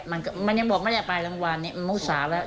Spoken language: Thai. มันก็มันยังบอกมันอยากไปรังวาลนี้มันอุตส่าห์แล้ว